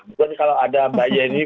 bukan kalau ada mbak yeni